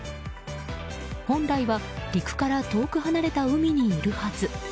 本来は陸から遠く離れた海にいるはず。